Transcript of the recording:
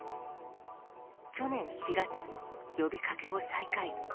去年４月、呼びかけを再開。